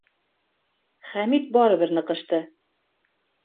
Хәмит барыбер ныҡышты: